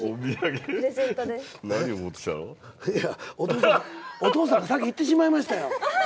いやお父さんお父さんが先言ってしまいました。